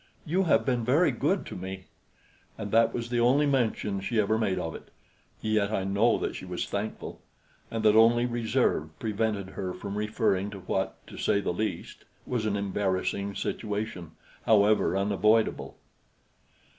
"You have been very good to me." And that was the only mention she ever made of it; yet I know that she was thankful and that only reserve prevented her from referring to what, to say the least, was an embarrassing situation, however unavoidable.